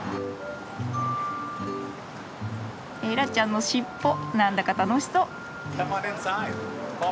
エラちゃんの尻尾何だか楽しそう。